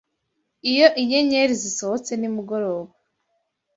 iyo inyenyeri zisohotse nimugoroba